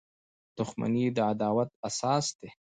• دښمني د عداوت اساس دی.